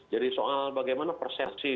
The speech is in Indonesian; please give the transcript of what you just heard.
jadi soal bagaimana persepsi